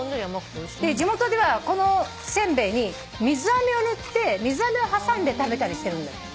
地元ではこのせんべいに水あめを塗って水あめを挟んで食べたりしてるんだって。